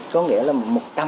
có nghĩa là